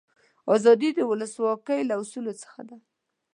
آزادي د ولسواکي له اصولو څخه ده.